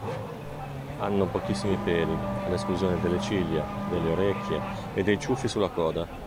Hanno pochissimi peli, ad esclusione delle ciglia, delle orecchie e dei ciuffi sulla coda.